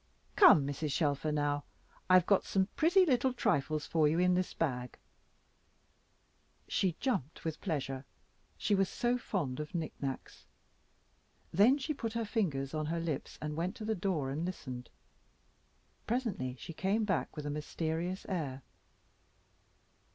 "Come, Mrs. Shelfer, now; I've got some pretty little trifles for you in this bag." She jumped with pleasure; she was so fond of knick knacks: then she put her fingers on her lips and went to the door and listened. Presently she came back with a mysterious air.